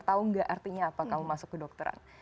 tahu gak artinya apa kalau masuk ke dokteran